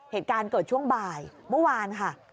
เหตุการณ์เกิดช่วงบ่ายเมื่อวานค่ะ